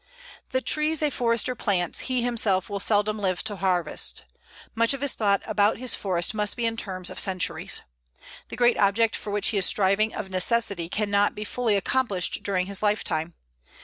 The trees a Forester plants he himself will seldom live to harvest. Much of his thought about his forest must be in terms of centuries. The great object for which he is striving of necessity can not be fully accomplished during his lifetime.